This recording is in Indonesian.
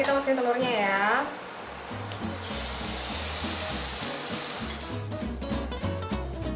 kita masukkan telurnya oke sekarang kita masukin telurnya ya